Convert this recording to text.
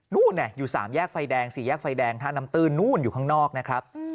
นู่นอยู่สามแยกไฟแดงสี่แยกไฟแดงท่าน้ำตื้นนู่นอยู่ข้างนอกนะครับ